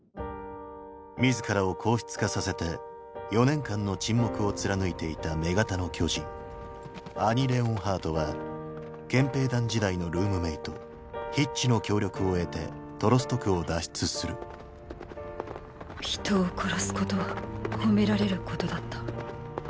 自らを硬質化させて４年間の沈黙を貫いていた女型の巨人アニ・レオンハートは憲兵団時代のルームメイトヒッチの協力を得てトロスト区を脱出する人を殺すことは褒められることだった。